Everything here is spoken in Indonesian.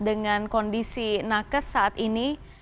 dengan kondisi nakes saat ini